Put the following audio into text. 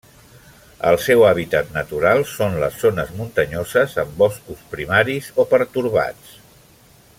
El seu hàbitat natural són les zones muntanyoses amb boscos primaris o pertorbats.